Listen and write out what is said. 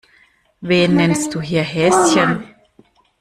Wen nennst du hier Häschen?